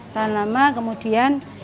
tahan lama kemudian